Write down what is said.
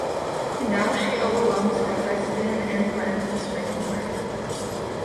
Now she overwhelms Kristen and threatens to strangle her.